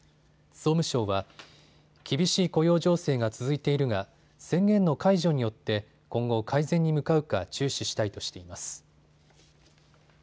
総務省は、厳しい雇用情勢が続いているが宣言の解除によって今後、改善に向かうか注視したいとしています。